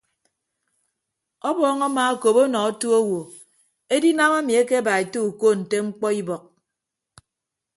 Ọbọọñ amaakop ọnọ otu owo edinam emi akeba ete uko nte mkpọ ibọk.